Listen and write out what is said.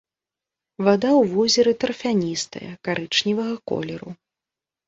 Вада ў возеры тарфяністая, карычневага колеру.